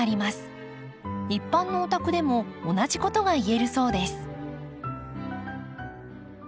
一般のお宅でも同じことがいえるそうです。